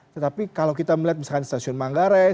tetapi kalau kita melihat misalkan stasiun manggarai